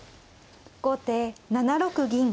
後手７六銀。